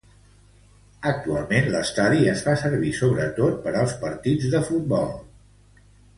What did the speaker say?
Actualment l'estadi es fa servir sobretot per als partits de futbol.